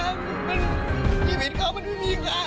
ลูกเมียผมทั้งคนนะพี่ช่วยผมหน่อย